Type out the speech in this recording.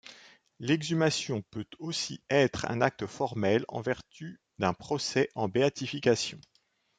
L'exhumation peut aussi être un acte formel en vertu d'un procès en béatification.